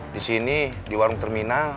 disini di warung terminal